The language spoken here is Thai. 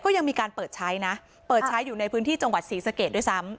ยังมีการเปิดใช้นะเปิดใช้อยู่ในพื้นที่จังหวัดศรีสะเกดด้วยซ้ำ